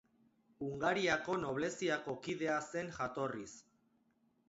Hungariako nobleziako kidea zen jatorriz.